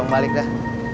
abang balik dah